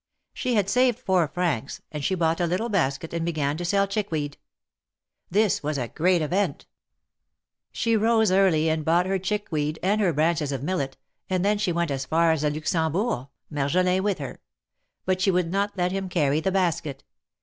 She had saved four francs, and she bought a little basket and began to sell chickweed. This was a great event. She rose early and bought her chickweed and her branches of millet, and then she went as far as the Luxembourg, Marjolin with her; but she would not let him carry the basket.